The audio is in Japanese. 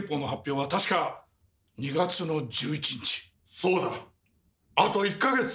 そうだあと１か月。